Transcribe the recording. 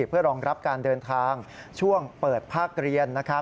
เพื่อรองรับการเดินทางช่วงเปิดภาคเรียน